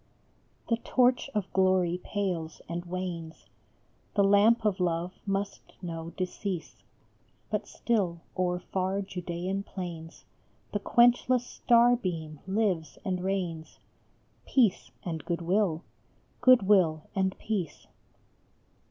The torch of glory pales and wanes, The lamp of love must know decease, But still o er far Judaean plains The quenchless star beam lives and reigns, Peace and Good will : Good will and Peace.